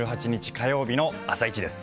火曜日の「あさイチ」です。